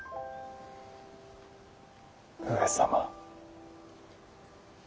上様。